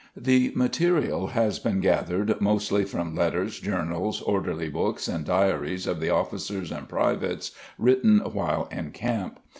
The material has been gathered mostly from letters, journals, orderly books, and diaries of the officers and privates, written while in camp.